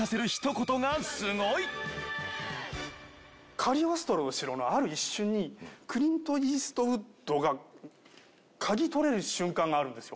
『カリオストロの城』のある一瞬にクリント・イーストウッドが嗅ぎ取れる瞬間があるんですよ。